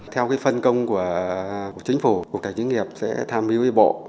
theo cái phân công của chính phủ một cái doanh nghiệp sẽ tham hiếu ý bộ